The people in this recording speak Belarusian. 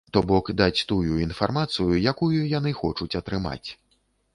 То бок, даць тую інфармацыю, якую яны хочуць атрымаць.